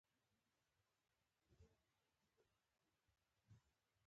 فعالان دي مټې رابډ وهي.